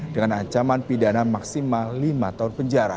dengan ancaman pidana maksimal lima tahun penjara